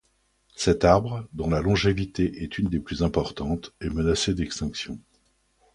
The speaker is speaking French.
Cet arbre, dont la longévité est une des plus importantes, est menacé d'extinction.